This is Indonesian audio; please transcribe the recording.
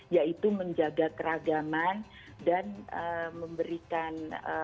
yaitu menjaga keragaman dan memberikan